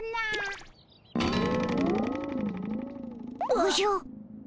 おじゃ。